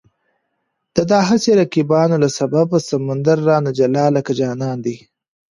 د دا هسې رقیبانو له سببه، سمندر رانه جلا لکه جانان دی